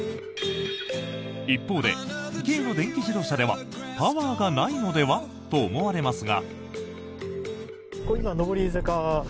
一方で、軽の電気自動車ではパワーがないのではと思われますが。